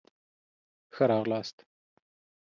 ښه راغلاست